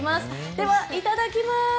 では、いただきます。